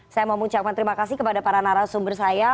saya mau mengucapkan terima kasih kepada para narasumber saya